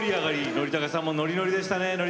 憲武さんもノリノリでしたね。